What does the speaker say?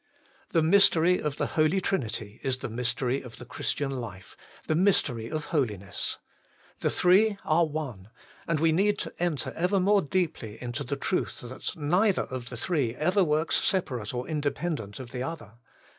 The mystery of the Holy Trinity is the mystery of the Christian life, the mystery of Holiness. The Three are One, and we need to enter ever more deeply into the truth that neither of the Three ever works separate or independent of the other.